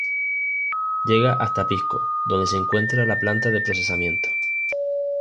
Llega hasta Pisco donde se encuentra la planta de procesamiento.